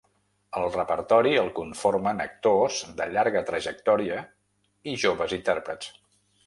El repertori, el conformen actors de llarga trajectòria i joves intèrprets.